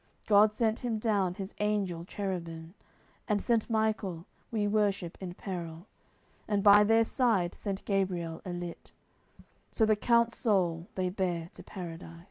God sent him down His angel cherubin, And Saint Michael, we worship in peril; And by their side Saint Gabriel alit; So the count's soul they bare to Paradis.